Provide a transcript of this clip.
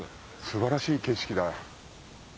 素晴らしい景色だ。